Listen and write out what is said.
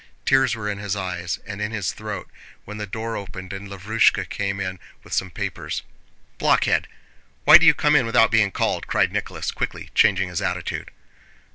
Tears were in his eyes and in his throat when the door opened and Lavrúshka came in with some papers. "Blockhead! Why do you come in without being called?" cried Nicholas, quickly changing his attitude.